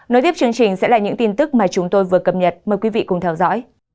nối tiếp chương trình sẽ là những tin tức mà chúng tôi vừa cập nhật mời quý vị cùng theo dõi